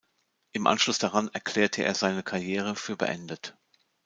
Im Anschluss daran erklärte er seine Karriere für beendet.